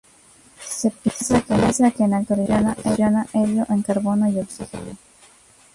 Se piensa que en la actualidad fusiona helio en carbono y oxígeno.